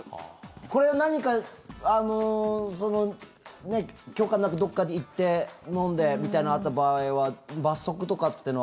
これは何か許可なくどっかに行って飲んでみたいなのがあった場合は罰則とかってのは。